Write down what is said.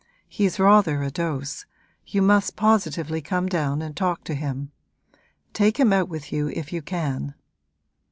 He's rather a dose you must positively come down and talk to him. Take him out with you if you can.'